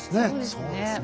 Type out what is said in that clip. そうですね。